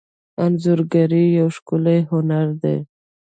انځورګري یو ښکلی هنر دی.